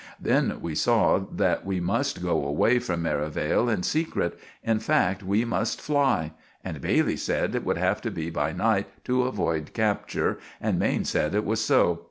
Then we saw that we must go away from Merivale in secret in fact, we must fly; and Bailey sed it would have to be by night to avoid capture, and Maine sed it was so.